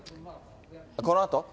このあと？